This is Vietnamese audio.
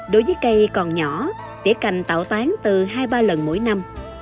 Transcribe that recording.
đối với cây còn nhỏ tỉa cành tạo tán từ hai ba lần mỗi năm